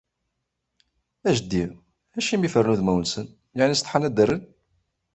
A jeddi, acimi fren udmawen-nsen? Yaɛni setḥan ad ttren?